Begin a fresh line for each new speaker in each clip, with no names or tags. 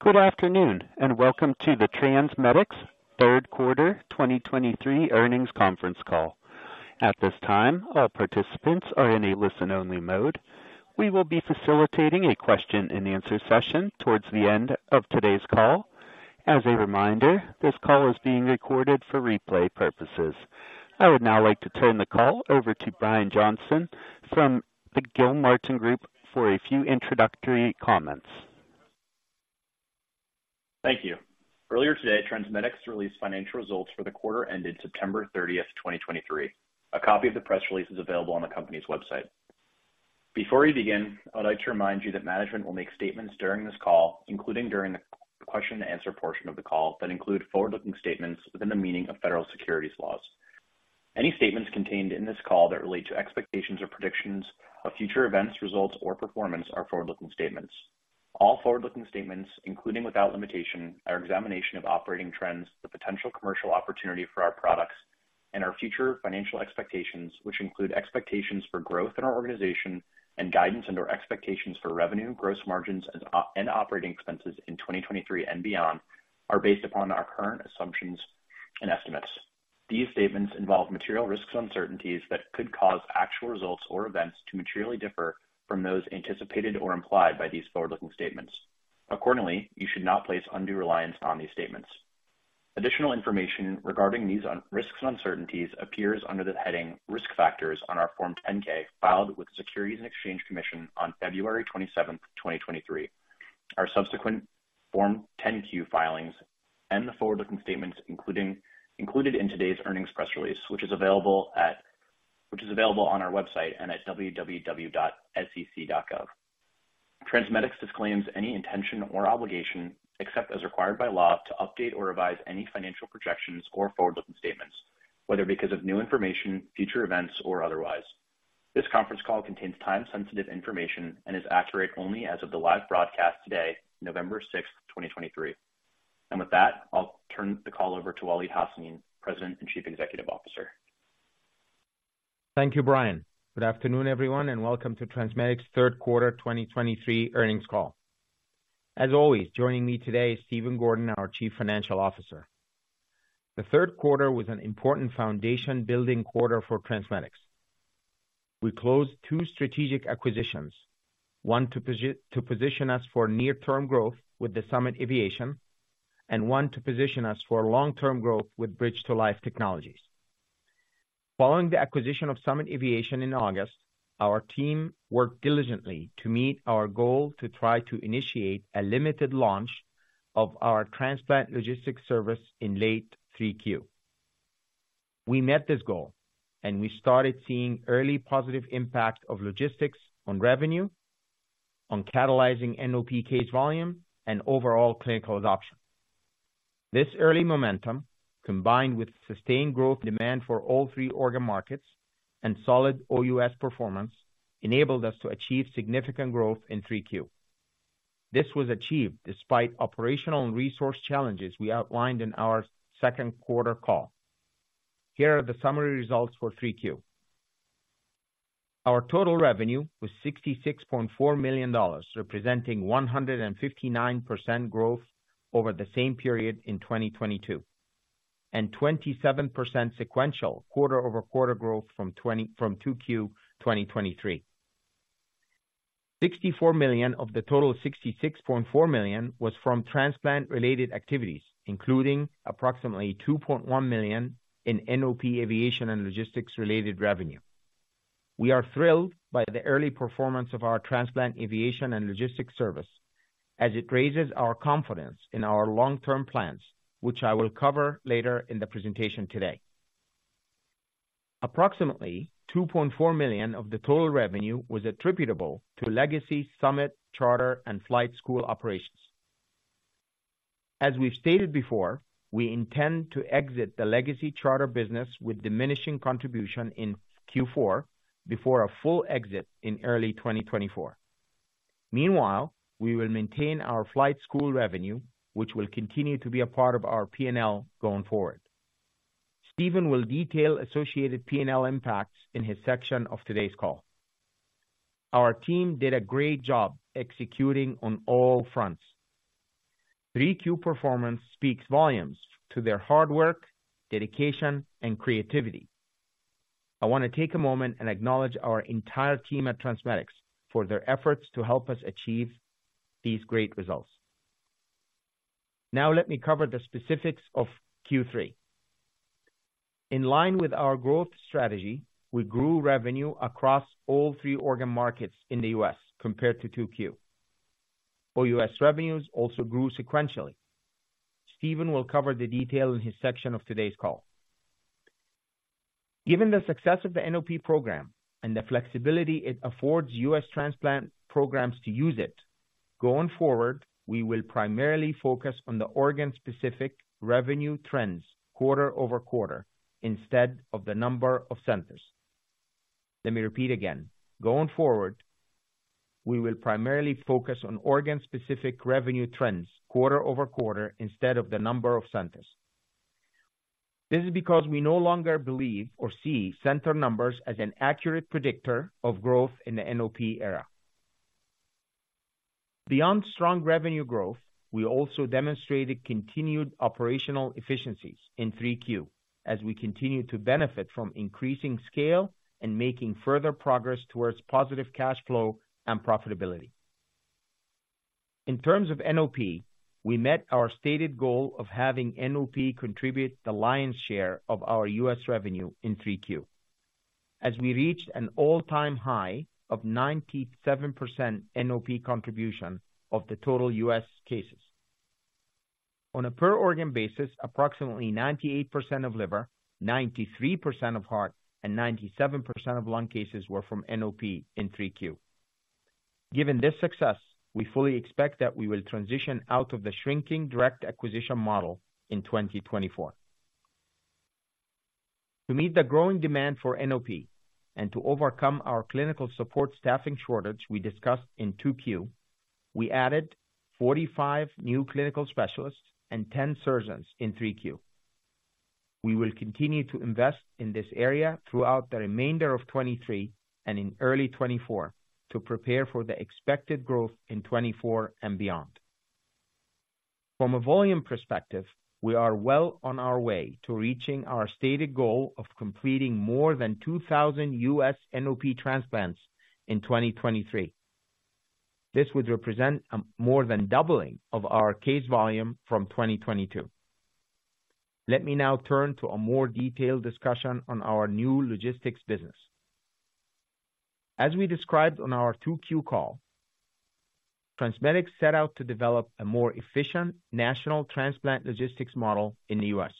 Good afternoon, and welcome to the TransMedics Q3 2023 earnings conference call. At this time, all participants are in a listen-only mode. We will be facilitating a question-and-answer session towards the end of today's call. As a reminder, this call is being recorded for replay purposes. I would now like to turn the call over to Brian Johnston from the Gilmartin Group for a few introductory comments.
Thank you. Earlier today, TransMedics released financial results for the quarter ended September 30, 2023. A copy of the press release is available on the company's website. Before we begin, I'd like to remind you that management will make statements during this call, including during the question and answer portion of the call, that include forward-looking statements within the meaning of federal securities laws. Any statements contained in this call that relate to expectations or predictions of future events, results, or performance are forward-looking statements. All forward-looking statements, including without limitation, our examination of operating trends, the potential commercial opportunity for our products, and our future financial expectations, which include expectations for growth in our organization and guidance into our expectations for revenue, gross margins, and operating expenses in 2023 and beyond, are based upon our current assumptions and estimates. These statements involve material risks and uncertainties that could cause actual results or events to materially differ from those anticipated or implied by these forward-looking statements. Accordingly, you should not place undue reliance on these statements. Additional information regarding these risks and uncertainties appears under the heading Risk Factors on our Form 10-K, filed with the Securities and Exchange Commission on February 27, 2023. Our subsequent Form 10-Q filings and the forward-looking statements, including included in today's earnings press release, which is available on our website and at www.sec.gov. TransMedics disclaims any intention or obligation, except as required by law, to update or revise any financial projections or forward-looking statements, whether because of new information, future events, or otherwise. This conference call contains time-sensitive information and is accurate only as of the live broadcast today, November 6, 2023. With that, I'll turn the call over to Waleed Hassanein, President and Chief Executive Officer.
Thank you, Brian. Good afternoon, everyone, and welcome to TransMedics's Q3 2023 earnings call. As always, joining me today is Stephen Gordon, our Chief Financial Officer. The Q3 was an important foundation-building quarter for TransMedics. We closed two strategic acquisitions, one to position us for near-term growth with the Summit Aviation and one to position us for long-term growth with Bridge to Life Technologies. Following the acquisition of Summit Aviation in August, our team worked diligently to meet our goal to try to initiate a limited launch of our transplant logistics service in late Q3. We met this goal, and we started seeing early positive impact of logistics on revenue, on catalyzing NOP case volume, and overall clinical adoption. This early momentum, combined with sustained growth demand for all three organ markets and solid OUS performance, enabled us to achieve significant growth in Q3. This was achieved despite operational and resource challenges we outlined in our Q2 call. Here are the summary results for Q3. Our total revenue was $66.4 million, representing 159% growth over the same period in 2022, and 27% sequential quarter-over-quarter growth from Q2 2023. $64 million of the total of $66.4 million was from transplant-related activities, including approximately $2.1 million in NOP aviation and logistics-related revenue. We are thrilled by the early performance of our transplant aviation and logistics service, as it raises our confidence in our long-term plans, which I will cover later in the presentation today. Approximately $2.4 million of the total revenue was attributable to Legacy, Summit, Charter and flight school operations. As we've stated before, we intend to exit the Legacy charter business with diminishing contribution in Q4 before a full exit in early 2024. Meanwhile, we will maintain our flight school revenue, which will continue to be a part of our P&L going forward. Stephen will detail associated P&L impacts in his section of today's call. Our team did a great job executing on all fronts. Q3 performance speaks volumes to their hard work, dedication, and creativity. I want to take a moment and acknowledge our entire team at TransMedics for their efforts to help us achieve these great results. Now let me cover the specifics of Q3. In line with our growth strategy, we grew revenue across all three organ markets in the U.S. compared to Q2. OUS revenues also grew sequentially. Stephen will cover the detail in his section of today's call. Given the success of the NOP program and the flexibility it affords U.S. transplant programs to use it, going forward, we will primarily focus on the organ-specific revenue trends quarter-over-quarter instead of the number of centers. Let me repeat again. Going forward, we will primarily focus on organ-specific revenue trends quarter-over-quarter instead of the number of centers.... This is because we no longer believe or see center numbers as an accurate predictor of growth in the NOP era. Beyond strong revenue growth, we also demonstrated continued operational efficiencies in Q3, as we continue to benefit from increasing scale and making further progress towards positive cash flow and profitability. In terms of NOP, we met our stated goal of having NOP contribute the lion's share of our U.S. revenue in Q3, as we reached an all-time high of 97% NOP contribution of the total U.S. cases. On a per organ basis, approximately 98% of liver, 93% of heart, and 97% of lung cases were from NOP in Q3. Given this success, we fully expect that we will transition out of the shrinking direct acquisition model in 2024. To meet the growing demand for NOP and to overcome our clinical support staffing shortage we discussed in Q2, we added 45 new clinical specialists and 10 surgeons in Q3. We will continue to invest in this area throughout the remainder of 2023 and in early 2024 to prepare for the expected growth in 2024 and beyond. From a volume perspective, we are well on our way to reaching our stated goal of completing more than 2,000 U.S. NOP transplants in 2023. This would represent more than doubling of our case volume from 2022. Let me now turn to a more detailed discussion on our new logistics business. As we described on our Q2 call, TransMedics set out to develop a more efficient national transplant logistics model in the U.S.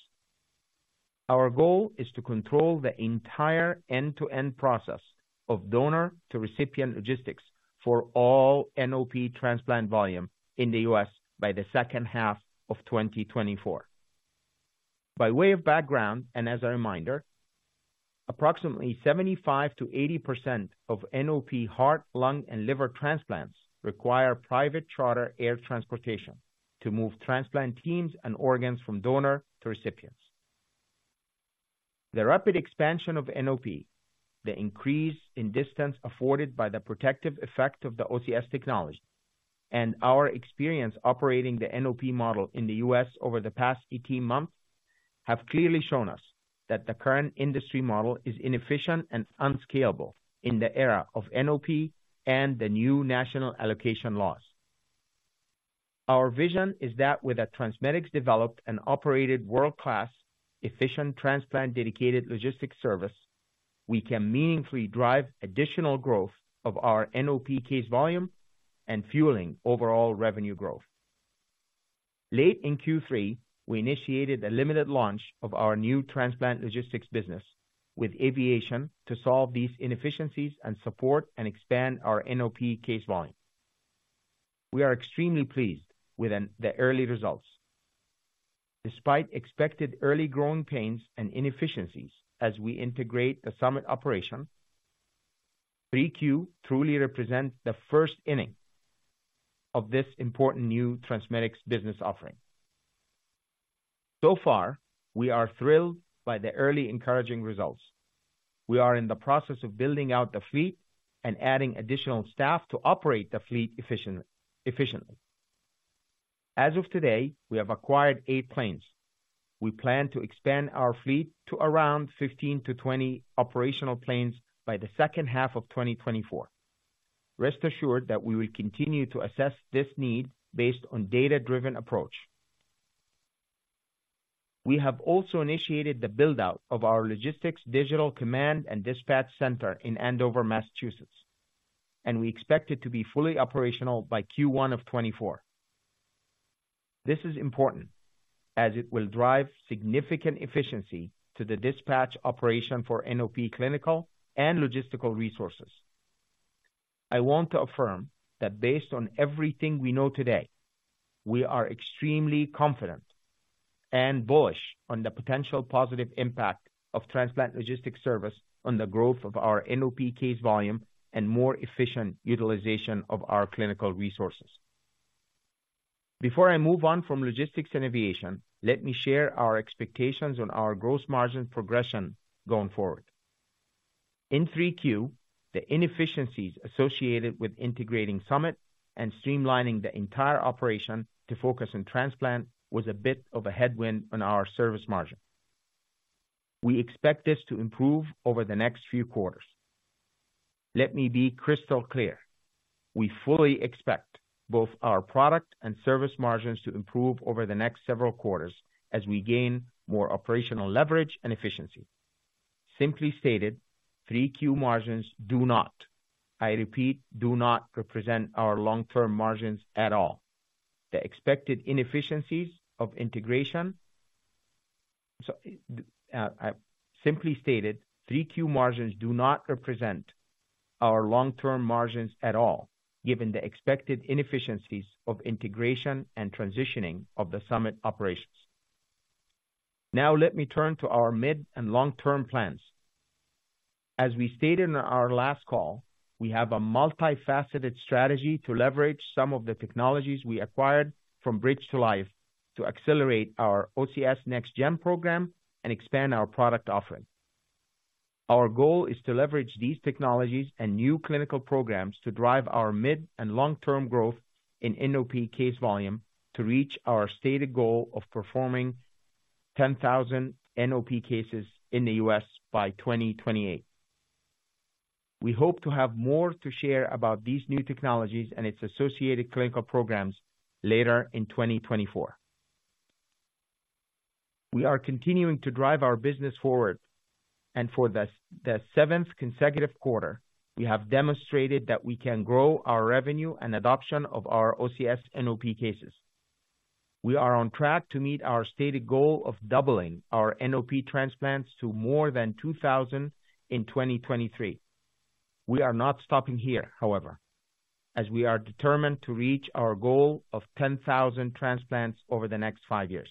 Our goal is to control the entire end-to-end process of donor to recipient logistics for all NOP transplant volume in the U.S. by the H2 of 2024. By way of background, and as a reminder, approximately 75%-80% of NOP heart, lung, and liver transplants require private charter air transportation to move transplant teams and organs from donor to recipients. The rapid expansion of NOP, the increase in distance afforded by the protective effect of the OCS technology, and our experience operating the NOP model in the U.S. over the past 18 months, have clearly shown us that the current industry model is inefficient and unscalable in the era of NOP and the new national allocation laws. Our vision is that with a TransMedics developed and operated world-class, efficient, transplant-dedicated logistics service, we can meaningfully drive additional growth of our NOP case volume and fueling overall revenue growth. Late in Q3, we initiated a limited launch of our new transplant logistics business with aviation to solve these inefficiencies and support and expand our NOP case volume. We are extremely pleased with the early results. Despite expected early growing pains and inefficiencies as we integrate the Summit operation, Q3 truly represents the first inning of this important new TransMedics business offering. So far, we are thrilled by the early encouraging results. We are in the process of building out the fleet and adding additional staff to operate the fleet efficiently. As of today, we have acquired eight planes. We plan to expand our fleet to around 15-20 operational planes by the H2 of 2024. Rest assured that we will continue to assess this need based on data-driven approach. We have also initiated the build-out of our logistics digital command and dispatch center in Andover, Massachusetts, and we expect it to be fully operational by Q1 of 2024. This is important, as it will drive significant efficiency to the dispatch operation for NOP clinical and logistical resources. I want to affirm that based on everything we know today, we are extremely confident and bullish on the potential positive impact of Transplant Logistics Service on the growth of our NOP case volume and more efficient utilization of our clinical resources. Before I move on from logistics and aviation, let me share our expectations on our gross margin progression going forward. In Q3, the inefficiencies associated with integrating Summit and streamlining the entire operation to focus on transplant, was a bit of a headwind on our service margin. We expect this to improve over the next few quarters. Let me be crystal clear. We fully expect both our product and service margins to improve over the next several quarters as we gain more operational leverage and efficiency. Simply stated, Q3 margins do not, I repeat, do not represent our long-term margins at all. The expected inefficiencies of integration. So, simply stated, Q3 margins do not represent our long-term margins at all, given the expected inefficiencies of integration and transitioning of the Summit operations. Now, let me turn to our mid- and long-term plans. As we stated in our last call, we have a multifaceted strategy to leverage some of the technologies we acquired from Bridge to Life to accelerate our OCS Next Gen program and expand our product offering. Our goal is to leverage these technologies and new clinical programs to drive our mid- and long-term growth in NOP case volume to reach our stated goal of performing 10,000 NOP cases in the U.S. by 2028. We hope to have more to share about these new technologies and its associated clinical programs later in 2024. We are continuing to drive our business forward, and for the seventh consecutive quarter, we have demonstrated that we can grow our revenue and adoption of our OCS NOP cases. We are on track to meet our stated goal of doubling our NOP transplants to more than 2,000 in 2023. We are not stopping here, however, as we are determined to reach our goal of 10,000 transplants over the next five years.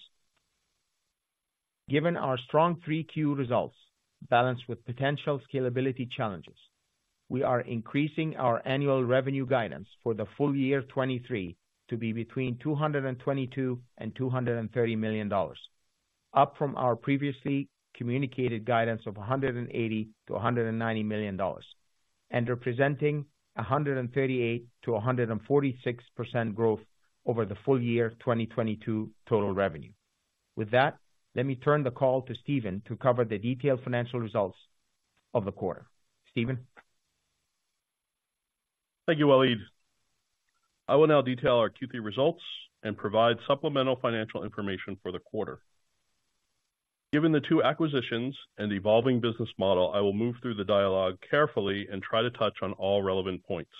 Given our strong Q3 results, balanced with potential scalability challenges, we are increasing our annual revenue guidance for the full year 2023 to be between $222 million and $230 million, up from our previously communicated guidance of $180 million to $190 million, and representing 138%-146% growth over the full year 2022 total revenue. With that, let me turn the call to Stephen to cover the detailed financial results of the quarter. Stephen?
Thank you, Waleed. I will now detail our Q3 results and provide supplemental financial information for the quarter. Given the two acquisitions and evolving business model, I will move through the dialogue carefully and try to touch on all relevant points.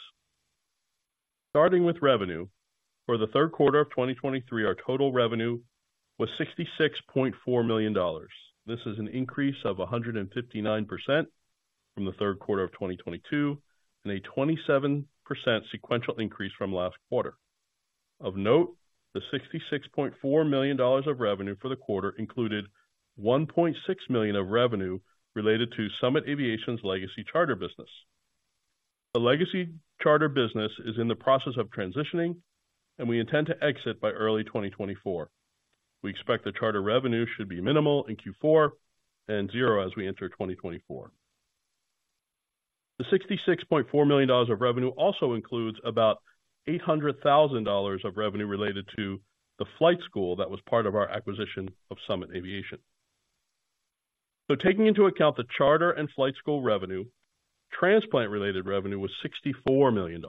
Starting with revenue. For the Q3 of 2023, our total revenue was $66.4 million. This is an increase of 159% from the Q3 of 2022, and a 27% sequential increase from last quarter. Of note, the $66.4 million of revenue for the quarter included $1.6 million of revenue related to Summit Aviation's legacy charter business. The legacy charter business is in the process of transitioning, and we intend to exit by early 2024. We expect the charter revenue should be minimal in Q4 and zero as we enter 2024. The $66.4 million of revenue also includes about $800,000 of revenue related to the flight school that was part of our acquisition of Summit Aviation. So taking into account the charter and flight school revenue, transplant-related revenue was $64 million.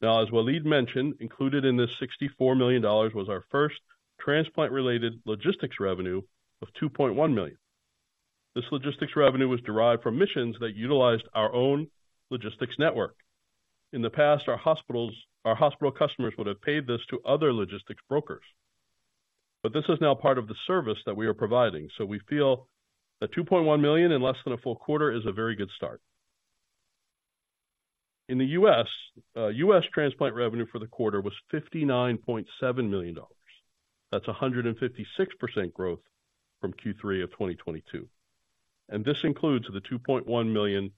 Now, as Waleed mentioned, included in this $64 million was our first transplant-related logistics revenue of $2.1 million. This logistics revenue was derived from missions that utilized our own logistics network. In the past, our hospitals, our hospital customers would have paid this to other logistics brokers, but this is now part of the service that we are providing. So we feel that $2.1 million in less than a full quarter is a very good start. In the U.S., U.S. transplant revenue for the quarter was $59.7 million. That's 156% growth from Q3 of 2022, and this includes the $2.1 million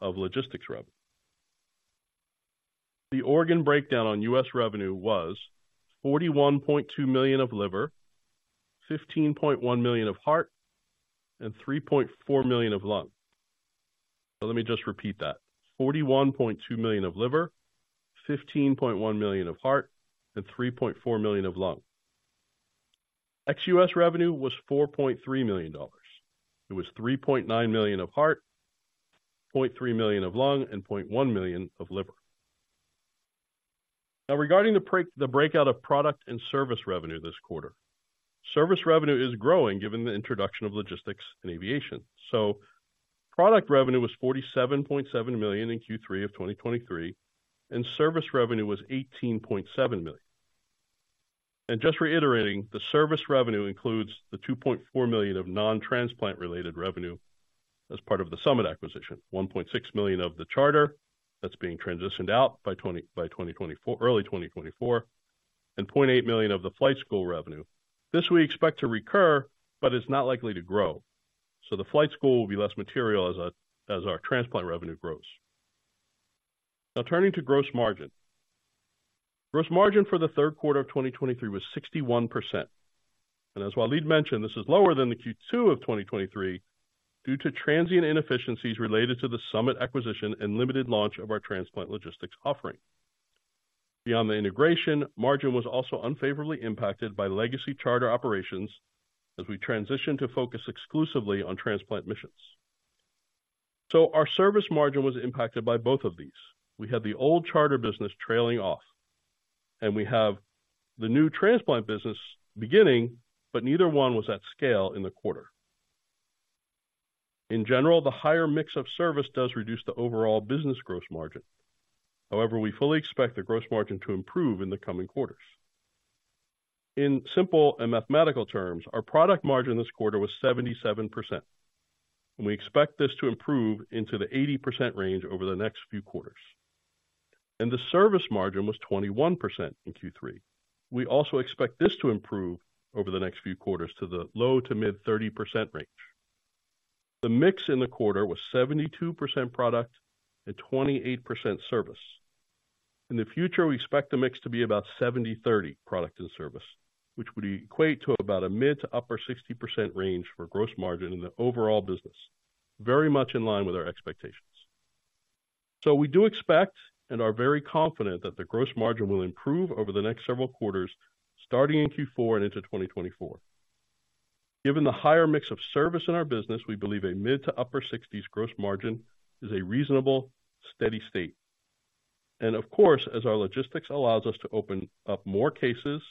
of logistics revenue. The organ breakdown on U.S. revenue was $41.2 million of liver, $15.1 million of heart, and $3.4 million of lung. So let me just repeat that. $41.2 million of liver, $15.1 million of heart, and $3.4 million of lung. Ex-U.S. revenue was $4.3 million. It was $3.9 million of heart, $0.3 million of lung, and $0.1 million of liver. Now, regarding the breakout of product and service revenue this quarter. Service revenue is growing given the introduction of logistics and aviation. So product revenue was $47.7 million in Q3 of 2023, and service revenue was $18.7 million. Just reiterating, the service revenue includes the $2.4 million of non-transplant related revenue as part of the Summit acquisition, $1.6 million of the charter that's being transitioned out by 2024, early 2024, and $0.8 million of the flight school revenue. This we expect to recur, but it's not likely to grow. So the flight school will be less material as our transplant revenue grows. Now, turning to gross margin. Gross margin for the Q3 of 2023 was 61%. And as Waleed mentioned, this is lower than the Q2 of 2023 due to transient inefficiencies related to the Summit acquisition and limited launch of our transplant logistics offering. Beyond the integration, margin was also unfavorably impacted by legacy charter operations as we transition to focus exclusively on transplant missions. So our service margin was impacted by both of these. We had the old charter business trailing off, and we have the new transplant business beginning, but neither one was at scale in the quarter. In general, the higher mix of service does reduce the overall business gross margin. However, we fully expect the gross margin to improve in the coming quarters. In simple and mathematical terms, our product margin this quarter was 77%, and we expect this to improve into the 80% range over the next few quarters... And the service margin was 21% in Q3. We also expect this to improve over the next few quarters to the low-to-mid 30% range. The mix in the quarter was 72% product and 28% service. In the future, we expect the mix to be about 70/30 product and service, which would equate to about a mid- to upper-60% range for gross margin in the overall business, very much in line with our expectations. So we do expect, and are very confident, that the gross margin will improve over the next several quarters, starting in Q4 and into 2024. Given the higher mix of service in our business, we believe a mid- to upper-60s gross margin is a reasonable, steady state. Of course, as our logistics allows us to open up more cases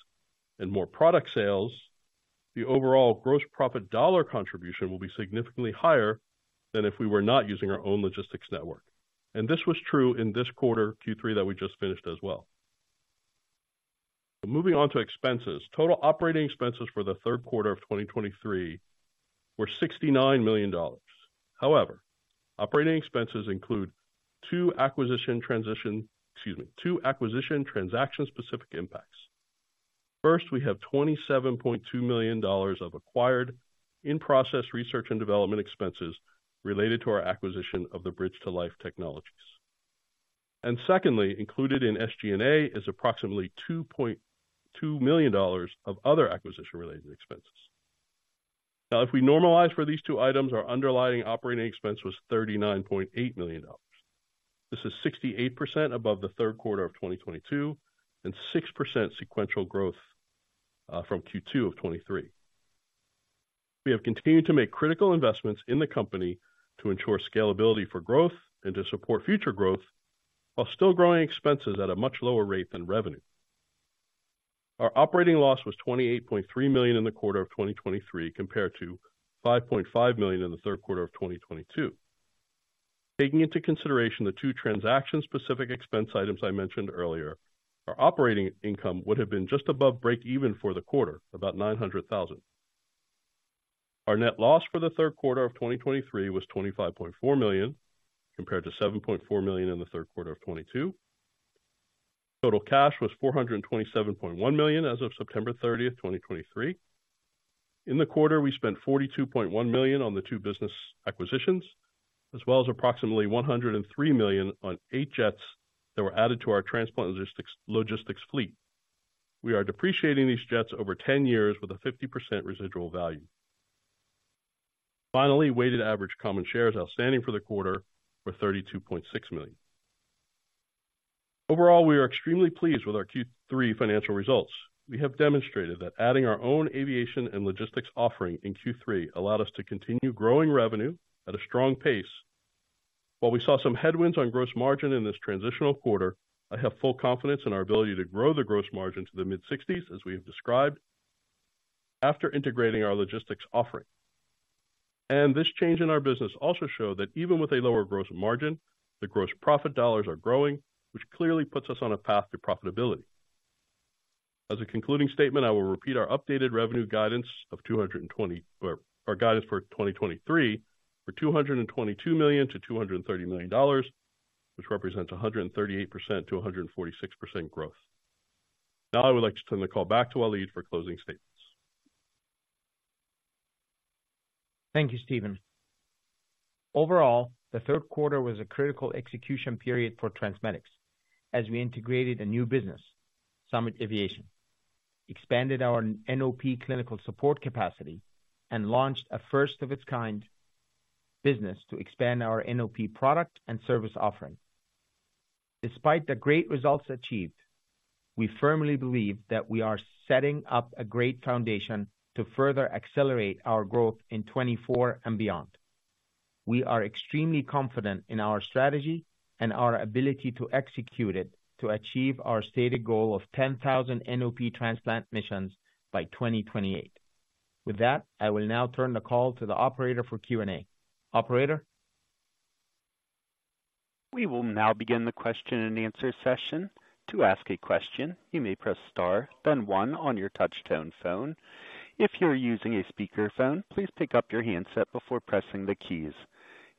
and more product sales, the overall gross profit dollar contribution will be significantly higher than if we were not using our own logistics network. And this was true in this quarter, Q3, that we just finished as well. Moving on to expenses. Total operating expenses for the Q3 of 2023 were $69 million. However, operating expenses include two acquisition transition, excuse me, two acquisition transaction-specific impacts. First, we have $27.2 million of acquired in-process research and development expenses related to our acquisition of the Bridge to Life technologies. And secondly, included in SG&A is approximately $2.2 million of other acquisition-related expenses. Now, if we normalize for these two items, our underlying operating expense was $39.8 million. This is 68% above the Q3 of 2022 and 6% sequential growth from Q2 of 2023. We have continued to make critical investments in the company to ensure scalability for growth and to support future growth, while still growing expenses at a much lower rate than revenue. Our operating loss was $28.3 million in the quarter of 2023, compared to $5.5 million in the Q3 of 2022. Taking into consideration the two transaction-specific expense items I mentioned earlier, our operating income would have been just above break even for the quarter, about $900,000. Our net loss for the Q3 of 2023 was $25.4 million, compared to $7.4 million in the Q3 of 2022. Total cash was $427.1 million as of September 30, 2023. In the quarter, we spent $42.1 million on the two business acquisitions, as well as approximately $103 million on eight jets that were added to our transplant logistics fleet. We are depreciating these jets over 10 years with a 50% residual value. Finally, weighted average common shares outstanding for the quarter were 32.6 million. Overall, we are extremely pleased with our Q3 financial results. We have demonstrated that adding our own aviation and logistics offering in Q3 allowed us to continue growing revenue at a strong pace. While we saw some headwinds on gross margin in this transitional quarter, I have full confidence in our ability to grow the gross margin to the mid-60s%, as we have described, after integrating our logistics offering. This change in our business also show that even with a lower gross margin, the gross profit dollars are growing, which clearly puts us on a path to profitability. As a concluding statement, I will repeat our updated revenue guidance of $222 million-$230 million for 2023, which represents 138%-146% growth. Now I would like to turn the call back to Waleed for closing statements.
Thank you, Stephen. Overall, the Q3 was a critical execution period for TransMedics as we integrated a new business, Summit Aviation, expanded our NOP clinical support capacity, and launched a first-of-its-kind business to expand our NOP product and service offering. Despite the great results achieved, we firmly believe that we are setting up a great foundation to further accelerate our growth in 2024 and beyond. We are extremely confident in our strategy and our ability to execute it to achieve our stated goal of 10,000 NOP transplant missions by 2028. With that, I will now turn the call to the operator for Q&A. Operator?
We will now begin the question-and-answer session. To ask a question, you may press star, then one on your touchtone phone. If you are using a speakerphone, please pick up your handset before pressing the keys.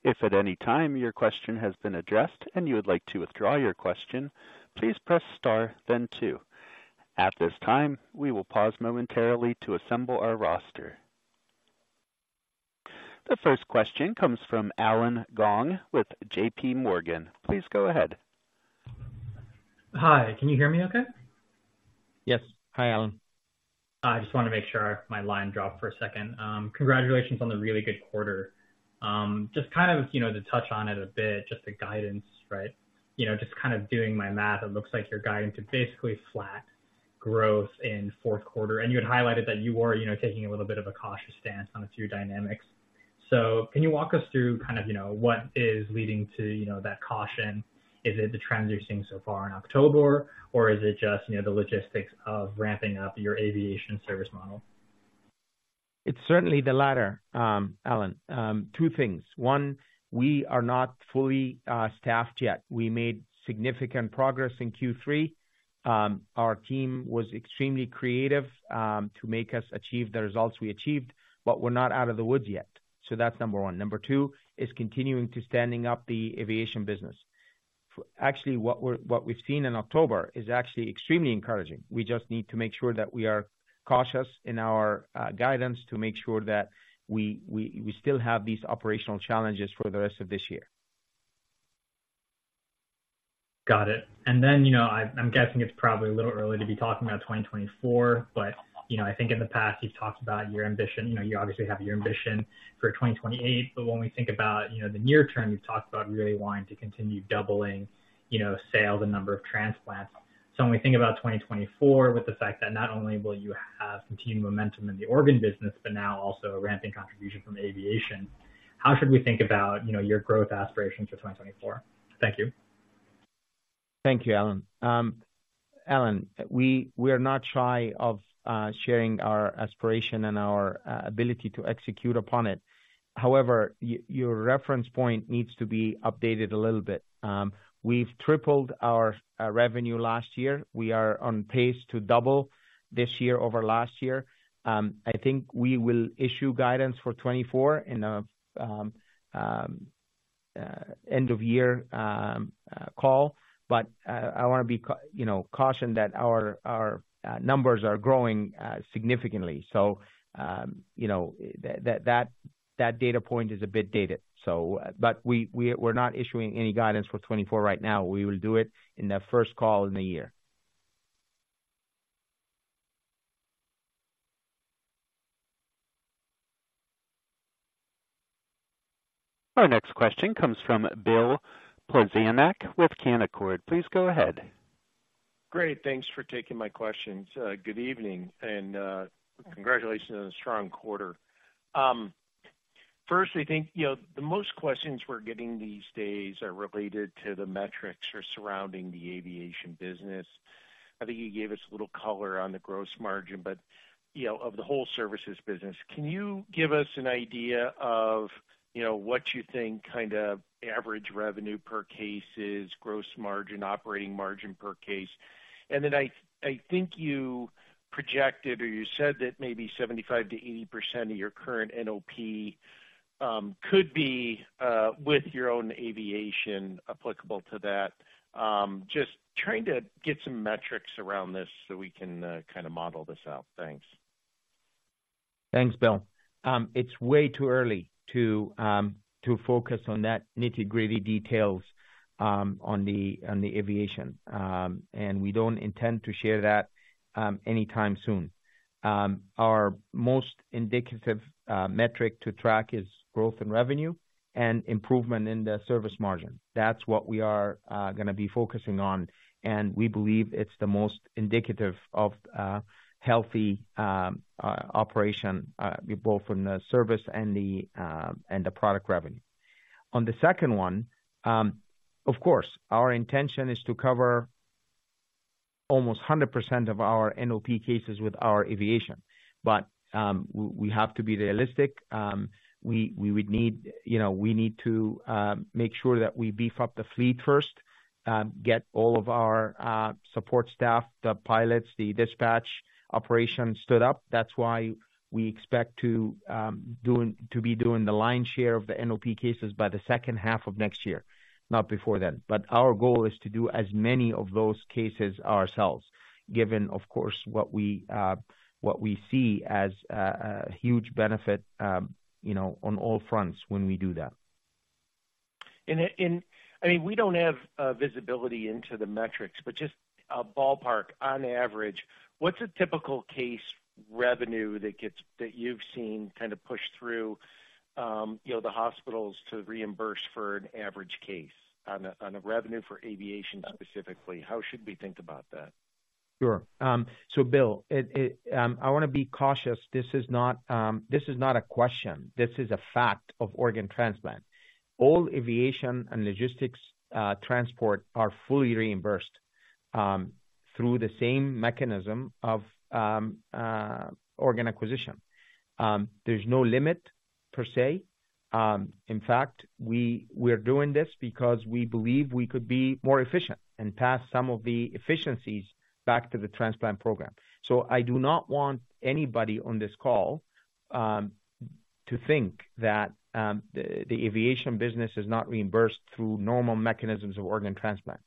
If at any time your question has been addressed and you would like to withdraw your question, please press star then two. At this time, we will pause momentarily to assemble our roster. The first question comes from Allen Gong with JPMorgan. Please go ahead.
Hi, can you hear me okay?
Yes. Hi, Allen.
I just want to make sure my line dropped for a second. Congratulations on the really good quarter. Just kind of, you know, to touch on it a bit, just the guidance, right? You know, just kind of doing my math, it looks like you're guiding to basically flat growth in Q4, and you had highlighted that you were, you know, taking a little bit of a cautious stance on a few dynamics. So can you walk us through kind of, you know, what is leading to, you know, that caution? Is it the trends you're seeing so far in October, or is it just, you know, the logistics of ramping up your aviation service model?
It's certainly the latter, Allen. Two things. One, we are not fully staffed yet. We made significant progress in Q3. Our team was extremely creative to make us achieve the results we achieved, but we're not out of the woods yet. So that's number one. Number two, is continuing to standing up the aviation business. Actually, what we've seen in October is actually extremely encouraging. We just need to make sure that we are cautious in our guidance to make sure that we still have these operational challenges for the rest of this year.
Got it. And then, you know, I, I'm guessing it's probably a little early to be talking about 2024, but, you know, I think in the past, you've talked about your ambition. You know, you obviously have your ambition for 2028, but when we think about, you know, the near term, you've talked about really wanting to continue doubling, you know, sales and number of transplants. So when we think about 2024, with the fact that not only will you have continued momentum in the organ business, but now also a ramping contribution from aviation, how should we think about, you know, your growth aspirations for 2024? Thank you.
Thank you, Alan. Alan, we are not shy of sharing our aspiration and our ability to execute upon it. However, your reference point needs to be updated a little bit. We've tripled our revenue last year. We are on pace to double this year over last year. I think we will issue guidance for 2024 in an end-of-year call, but I wanna be, you know, cautioned that our numbers are growing significantly. So, you know, that data point is a bit dated, so... But we're not issuing any guidance for 2024 right now. We will do it in the first call in the year.
Our next question comes from Bill Plovanic with Canaccord. Please go ahead.
Great, thanks for taking my questions. Good evening, and, congratulations on a strong quarter. First, I think, you know, the most questions we're getting these days are related to the metrics surrounding the aviation business. I think you gave us a little color on the gross margin, but, you know, of the whole services business, can you give us an idea of, you know, what you think kind of average revenue per case is, gross margin, operating margin per case? And then I think you projected, or you said that maybe 75%-80% of your current NOP could be with your own aviation applicable to that. Just trying to get some metrics around this so we can kind of model this out. Thanks.
Thanks, Bill. It's way too early to focus on that nitty-gritty details on the aviation. And we don't intend to share that anytime soon. Our most indicative metric to track is growth in revenue and improvement in the service margin. That's what we are gonna be focusing on, and we believe it's the most indicative of healthy operation both from the service and the product revenue. On the second one, of course, our intention is to cover almost 100% of our NOP cases with our aviation, but we have to be realistic. We would need, you know, we need to make sure that we beef up the fleet first, get all of our support staff, the pilots, the dispatch operations stood up. That's why we expect to be doing the lion's share of the NOP cases by the H2 of next year, not before then. But our goal is to do as many of those cases ourselves, given, of course, what we see as a huge benefit, you know, on all fronts when we do that.
I mean, we don't have visibility into the metrics, but just ballpark, on average, what's a typical case revenue that you've seen kind of push through, you know, the hospitals to reimburse for an average case on a revenue for aviation specifically? How should we think about that?
Sure. So Bill, I wanna be cautious. This is not a question, this is a fact of organ transplant. All aviation and logistics transport are fully reimbursed through the same mechanism of organ acquisition. There's no limit per se. In fact, we're doing this because we believe we could be more efficient and pass some of the efficiencies back to the transplant program. So I do not want anybody on this call to think that the aviation business is not reimbursed through normal mechanisms of organ transplant.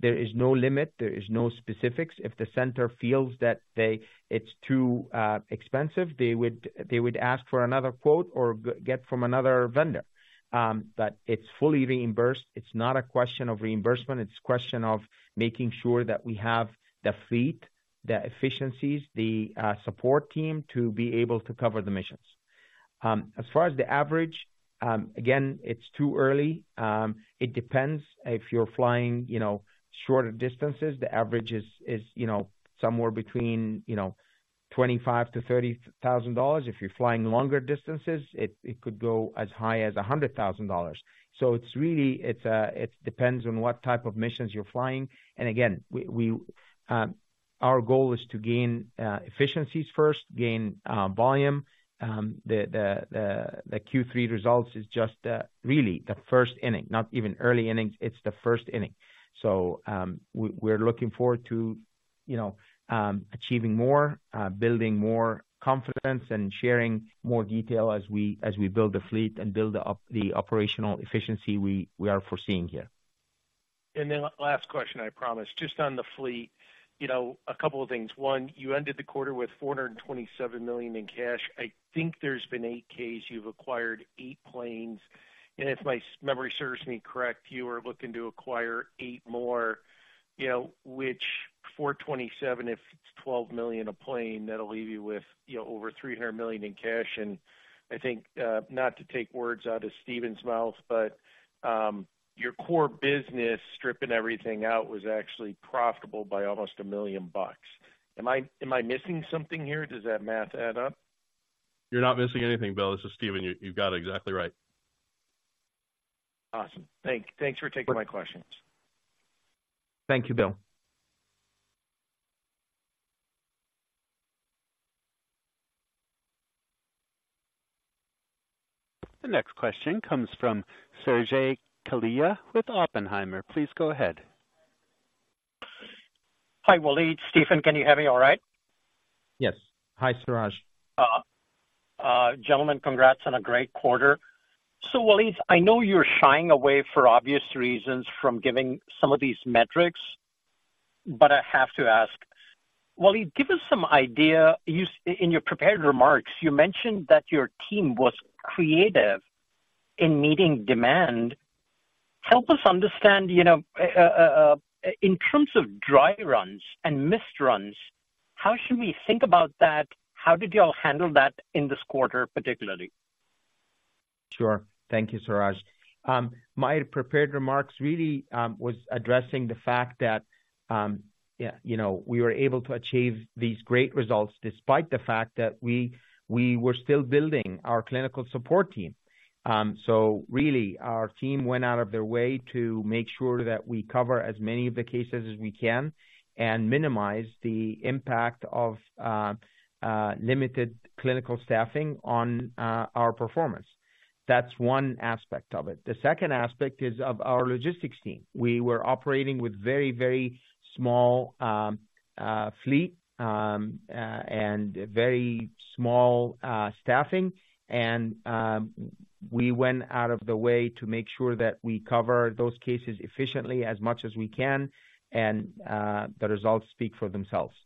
There is no limit. There is no specifics. If the center feels that it's too expensive, they would ask for another quote or get from another vendor. But it's fully reimbursed. It's not a question of reimbursement, it's a question of making sure that we have the fleet, the efficiencies, the support team to be able to cover the missions. As far as the average, again, it's too early. It depends if you're flying, you know, shorter distances, the average is, you know, somewhere between $25,000-$30,000. If you're flying longer distances, it could go as high as $100,000. So it's really, it depends on what type of missions you're flying, and again, we... Our goal is to gain efficiencies first, gain volume. The Q3 results is just really the first inning, not even early innings, it's the first inning. We're looking forward to, you know, achieving more, building more confidence and sharing more detail as we build the fleet and build up the operational efficiency we are foreseeing here.
Then last question, I promise, just on the fleet, you know, a couple of things. One, you ended the quarter with $427 million in cash. I think there's been 8-Ks. You've acquired 8 planes, and if my memory serves me correct, you are looking to acquire eight more, you know, which 427, if it's $12 million a plane, that'll leave you with, you know, over $300 million in cash. And I think, not to take words out of Stephen's mouth, but, your core business, stripping everything out, was actually profitable by almost $1 million. Am I missing something here? Does that math add up?
You're not missing anything, Bill. This is Stephen. You got it exactly right.
Awesome. Thanks for taking my questions.
Thank you, Bill.
The next question comes from Suraj Kalia with Oppenheimer. Please go ahead.
Hi, Waleed, Stephen, can you hear me all right?
Yes. Hi, Suraj.
Gentlemen, congrats on a great quarter. So Waleed, I know you're shying away for obvious reasons from giving some of these metrics, but I have to ask. Waleed, give us some idea, in your prepared remarks, you mentioned that your team was creative in meeting demand. Help us understand, you know, in terms of dry runs and missed runs, how should we think about that? How did y'all handle that in this quarter, particularly?
Sure. Thank you, Suraj. My prepared remarks really was addressing the fact that, yeah, you know, we were able to achieve these great results despite the fact that we were still building our clinical support team. So really, our team went out of their way to make sure that we cover as many of the cases as we can and minimize the impact of limited clinical staffing on our performance. That's one aspect of it. The second aspect is of our logistics team. We were operating with very, very small fleet and very small staffing, and we went out of the way to make sure that we cover those cases efficiently as much as we can, and the results speak for themselves.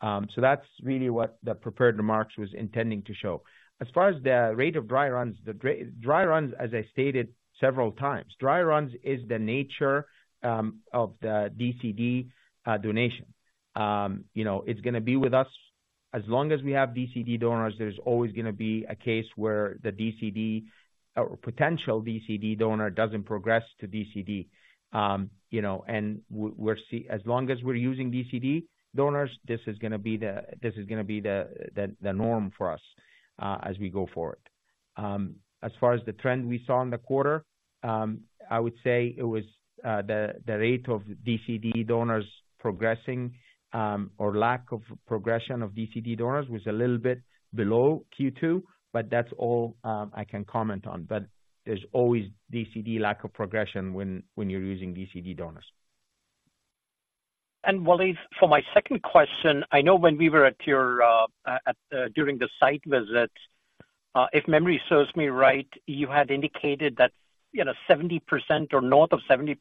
So that's really what the prepared remarks was intending to show. As far as the rate of dry runs, the dry runs, as I stated several times, dry runs is the nature of the DCD donation. You know, it's gonna be with us. As long as we have DCD donors, there's always gonna be a case where the DCD or potential DCD donor doesn't progress to DCD. You know, and as long as we're using DCD donors, this is gonna be the norm for us as we go forward. As far as the trend we saw in the quarter, I would say it was the rate of DCD donors progressing or lack of progression of DCD donors was a little bit below Q2, but that's all I can comment on. But there's always DCD lack of progression when you're using DCD donors.
Waleed, for my second question, I know when we were at your, at, during the site visit, if memory serves me right, you had indicated that, you know, 70% or north of 70%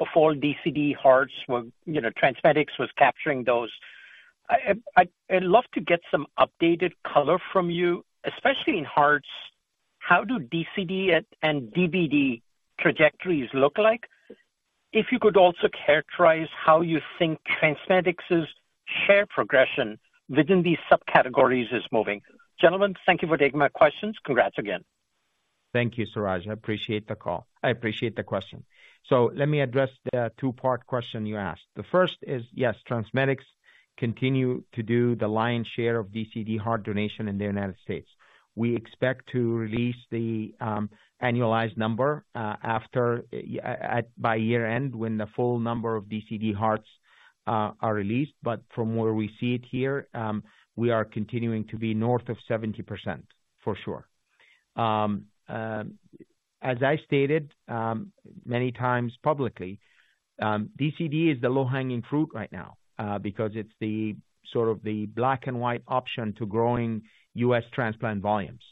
of all DCD hearts were, you know, TransMedics was capturing those. I, I, I'd love to get some updated color from you, especially in hearts. How do DCD and, and DBD trajectories look like? If you could also characterize how you think TransMedics' share progression within these subcategories is moving. Gentlemen, thank you for taking my questions. Congrats again.
Thank you, Suraj. I appreciate the call. I appreciate the question. So let me address the two-part question you asked. The first is, yes, TransMedics continue to do the lion's share of DCD heart donation in the United States. We expect to release the, annualized number, after, at, by year-end, when the full number of DCD hearts, are released, but from where we see it here, we are continuing to be north of 70%, for sure. As I stated, many times publicly, DCD is the low-hanging fruit right now, because it's the sort of the black and white option to growing U.S. transplant volumes.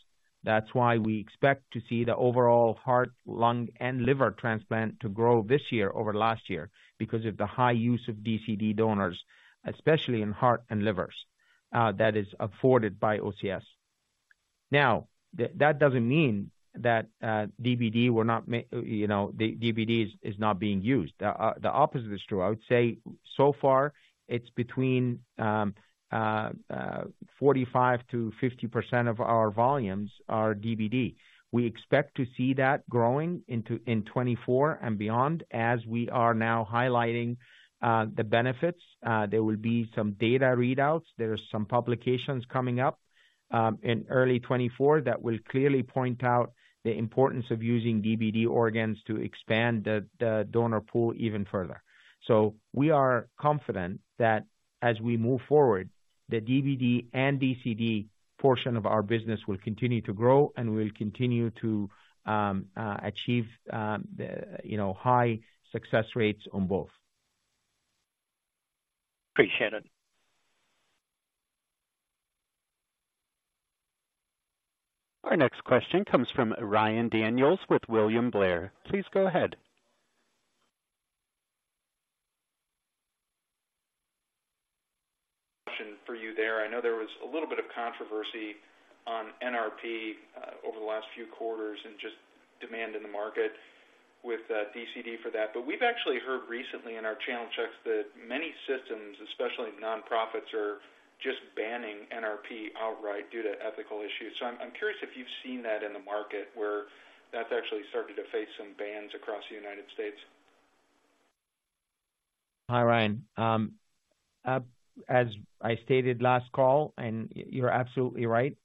That's why we expect to see the overall heart, lung, and liver transplant to grow this year over last year, because of the high use of DCD donors, especially in heart and livers, that is afforded by OCS. Now, that doesn't mean that DBD will not, you know, the DBD is not being used. The opposite is true. I would say so far, it's between 45%-50% of our volumes are DBD. We expect to see that growing into in 2024 and beyond, as we are now highlighting the benefits. There will be some data readouts. There are some publications coming up in early 2024 that will clearly point out the importance of using DBD organs to expand the donor pool even further. So we are confident that as we move forward, the DBD and DCD portion of our business will continue to grow, and we'll continue to achieve the, you know, high success rates on both....
Appreciate it.
Our next question comes from Ryan Daniels with William Blair. Please go ahead.
For you there, I know there was a little bit of controversy on NRP over the last few quarters and just demand in the market with DCD for that. But we've actually heard recently in our channel checks that many systems, especially nonprofits, are just banning NRP outright due to ethical issues. So I'm curious if you've seen that in the market where that's actually starting to face some bans across the United States.
Hi, Ryan. As I stated last call, and you're absolutely right,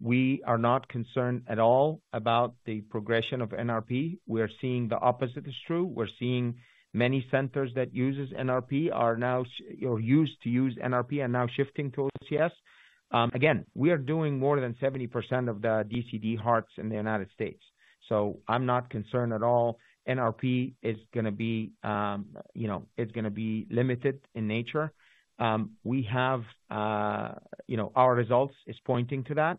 we are not concerned at all about the progression of NRP. We are seeing the opposite is true. We're seeing many centers that uses NRP are now, or used to use NRP, are now shifting to OCS. Again, we are doing more than 70% of the DCD hearts in the United States, so I'm not concerned at all. NRP is gonna be, you know, it's gonna be limited in nature. We have, you know, our results is pointing to that.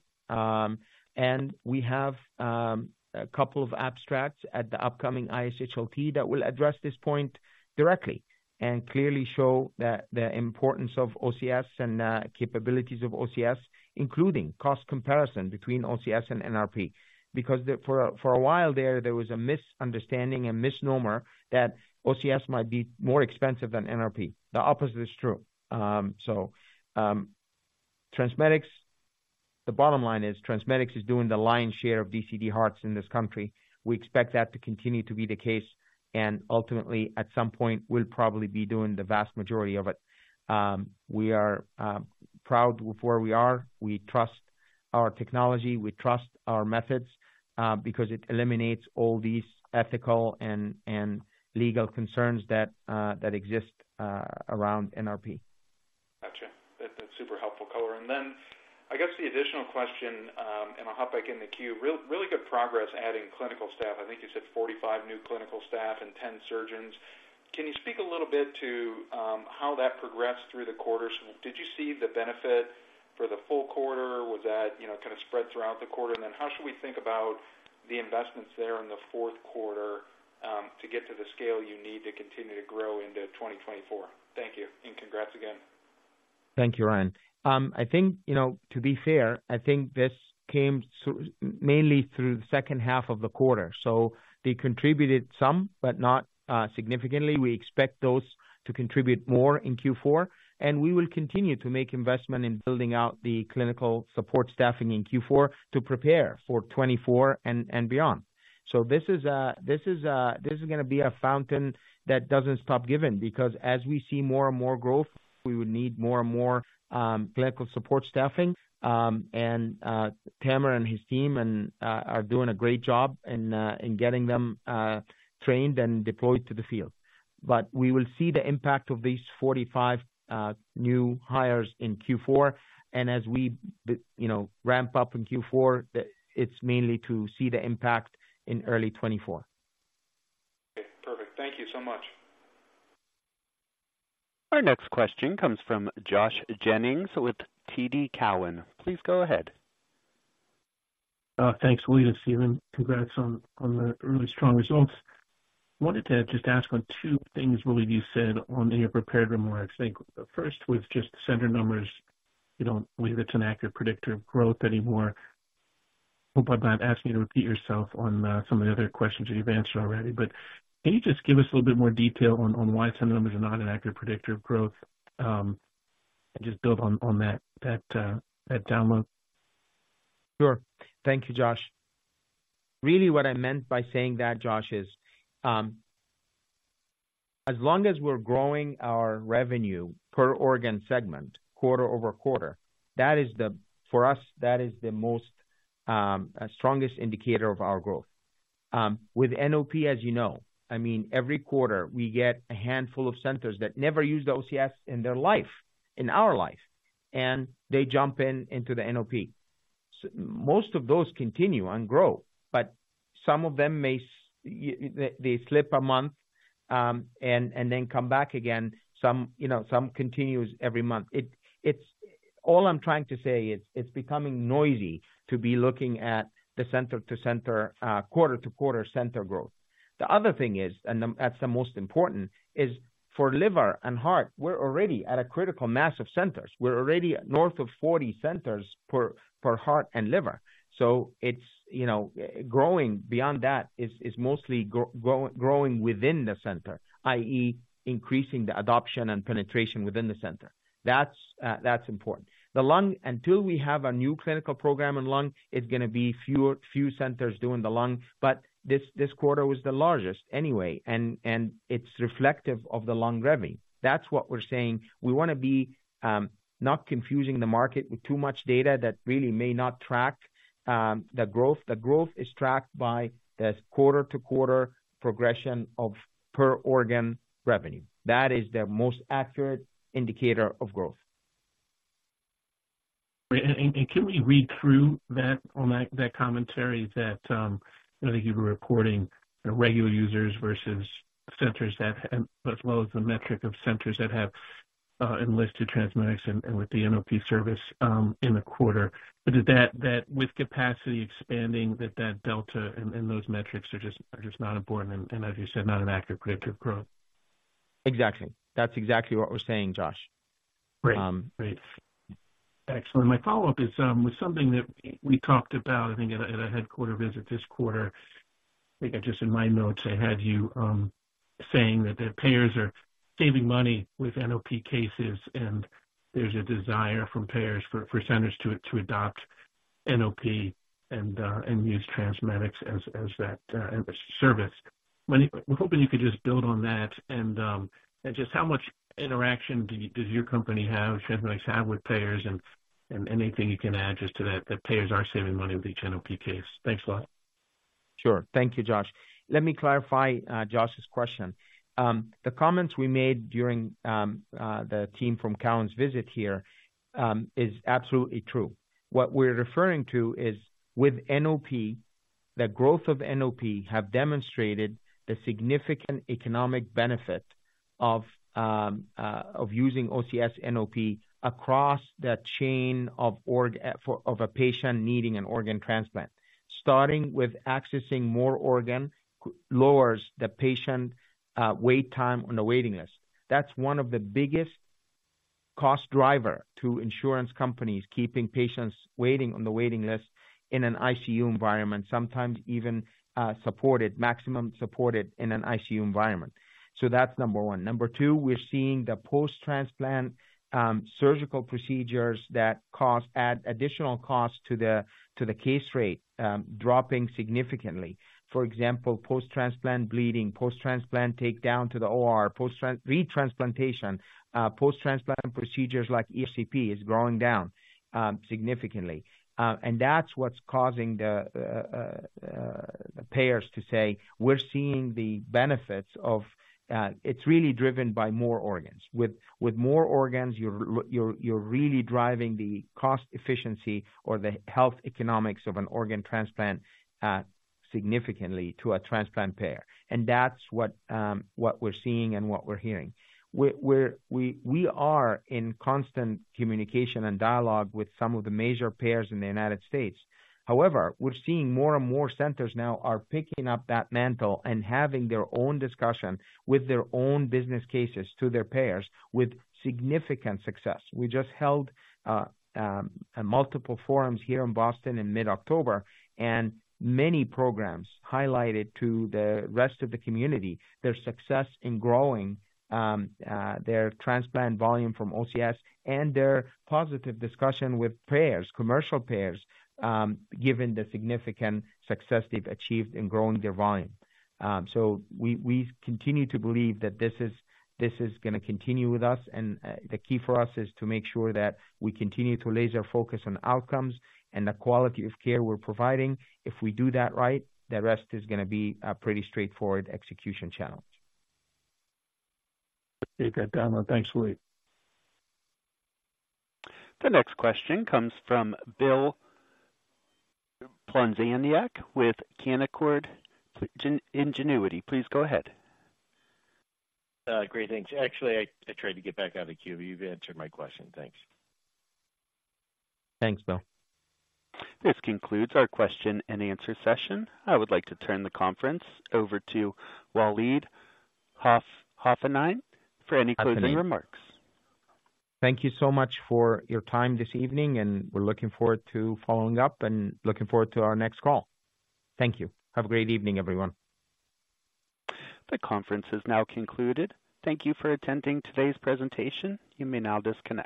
And we have a couple of abstracts at the upcoming ISHLT that will address this point directly and clearly show that the importance of OCS and capabilities of OCS, including cost comparison between OCS and NRP. Because for a while there was a misunderstanding, a misnomer, that OCS might be more expensive than NRP. The opposite is true. TransMedics... The bottom line is TransMedics is doing the lion's share of DCD hearts in this country. We expect that to continue to be the case, and ultimately, at some point, we'll probably be doing the vast majority of it. We are proud with where we are. We trust our technology, we trust our methods, because it eliminates all these ethical and legal concerns that exist around NRP.
Gotcha. That's, that's super helpful,. And then I guess the additional question, and I'll hop back in the queue. Really good progress adding clinical staff. I think you said 45 new clinical staff and 10 surgeons. Can you speak a little bit to how that progressed through the quarter? Did you see the benefit for the full quarter, or was that, you know, kind of spread throughout the quarter? And then how should we think about the investments there in the Q4 to get to the scale you need to continue to grow into 2024? Thank you, and congrats again.
Thank you, Ryan. I think, you know, to be fair, I think this came through, mainly through the H2 of the quarter, so they contributed some, but not significantly. We expect those to contribute more in Q4, and we will continue to make investment in building out the clinical support staffing in Q4 to prepare for 2024 and beyond. So this is a, this is a, this is gonna be a fountain that doesn't stop giving, because as we see more and more growth, we would need more and more clinical support staffing. And Tamer and his team are doing a great job in getting them trained and deployed to the field. But we will see the impact of these 45 new hires in Q4. As we, you know, ramp up in Q4, it's mainly to see the impact in early 2024.
Okay, perfect. Thank you so much.
Our next question comes from Josh Jennings with TD Cowen. Please go ahead.
Thanks, William and Stephen. Congrats on the really strong results. Wanted to just ask on two things, William, you said on your prepared remarks. I think the first with just the center numbers, you don't believe it's an accurate predictor of growth anymore. Hope I'm not asking you to repeat yourself on some of the other questions that you've answered already, but can you just give us a little bit more detail on why center numbers are not an accurate predictor of growth, and just build on that download?
Sure. Thank you, Josh. Really, what I meant by saying that, Josh, is, as long as we're growing our revenue per organ segment, quarter-over-quarter, that is the, for us, that is the most, strongest indicator of our growth. With NOP, as you know, I mean, every quarter, we get a handful of centers that never use the OCS in their life, in our life, and they jump in into the NOP. Most of those continue and grow, but some of them may they, they slip a month, and, and then come back again. Some, you know, some continues every month. It, it's... All I'm trying to say is, it's becoming noisy to be looking at the center to center, quarter-to-quarter center growth. The other thing is, that's the most important, is for liver and heart, we're already at a critical mass of centers. We're already north of 40 centers per heart and liver. So it's, you know, growing beyond that is mostly growing within the center, i.e., increasing the adoption and penetration within the center. That's that's important. The lung, until we have a new clinical program in lung, it's gonna be fewer centers doing the lung, but this quarter was the largest anyway, and it's reflective of the lung revenue. That's what we're saying. We wanna be not confusing the market with too much data that really may not track the growth. The growth is tracked by the quarter-to-quarter progression of per organ revenue. That is the most accurate indicator of growth....
And can we read through that, on that commentary that, you know, that you were reporting regular users versus centers that have as well as the metric of centers that have enlisted TransMedics and with the NOP service in the quarter. But is that, with capacity expanding, that delta and those metrics just not important and, as you said, not an accurate predictor of growth?
Exactly. That's exactly what we're saying, Josh.
Great.
Um.
Great. Excellent. My follow-up is with something that we talked about, I think, at a headquarters visit this quarter. I think just in my notes, I had you saying that the payers are saving money with NOP cases, and there's a desire from payers for centers to adopt NOP and use TransMedics as that service. We're hoping you could just build on that and just how much interaction does your company, TransMedics have with payers and anything you can add just to that, payers are saving money with each NOP case? Thanks a lot.
Sure. Thank you, Josh. Let me clarify Josh's question. The comments we made during the team from TD Cowen’s visit here is absolutely true. What we're referring to is with NOP, the growth of NOP have demonstrated the significant economic benefit of using OCS NOP across the chain of organ for a patient needing an organ transplant. Starting with accessing more organ lowers the patient wait time on the waiting list. That's one of the biggest cost driver to insurance companies, keeping patients waiting on the waiting list in an ICU environment, sometimes even supported, maximum supported in an ICU environment. So that's number one. Number two, we're seeing the post-transplant surgical procedures that cost, add additional cost to the case rate dropping significantly. For example, post-transplant bleeding, post-transplant take down to the OR, post-transplantation, post-transplant procedures like ESCP is going down, significantly. And that's what's causing the payers to say, "We're seeing the benefits of..." It's really driven by more organs. With more organs, you're really driving the cost efficiency or the health economics of an organ transplant, significantly to a transplant payer. And that's what we're seeing and what we're hearing. We are in constant communication and dialogue with some of the major payers in the United States. However, we're seeing more and more centers now are picking up that mantle and having their own discussion with their own business cases to their payers with significant success. We just held multiple forums here in Boston in mid-October, and many programs highlighted to the rest of the community their success in growing their transplant volume from OCS and their positive discussion with payers, commercial payers, given the significant success they've achieved in growing their volume. So we continue to believe that this is going to continue with us, and the key for us is to make sure that we continue to laser focus on outcomes and the quality of care we're providing. If we do that right, the rest is going to be a pretty straightforward execution challenge.
You got that one. Thanks, Waleed.
The next question comes from Bill Plovanic with Canaccord Genuity. Please go ahead.
Great, thanks. Actually, I tried to get back out of the queue, but you've answered my question. Thanks.
Thanks, Bill.
This concludes our question and answer session. I would like to turn the conference over to Waleed Hassanein.
Hassanein.
For any closing remarks.
Thank you so much for your time this evening, and we're looking forward to following up and looking forward to our next call. Thank you. Have a great evening, everyone.
The conference is now concluded. Thank you for attending today's presentation. You may now disconnect.